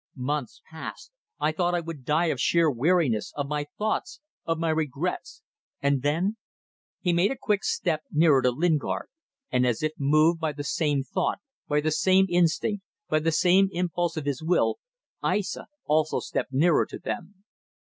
Months passed. I thought I would die of sheer weariness, of my thoughts, of my regrets And then ..." He made a quick step nearer to Lingard, and as if moved by the same thought, by the same instinct, by the impulse of his will, Aissa also stepped nearer to them.